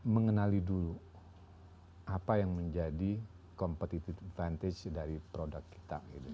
mengenali dulu apa yang menjadi competitive advantage dari produk kita